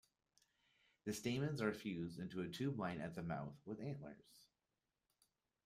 The stamens are fused into a tube lined at the mouth with anthers.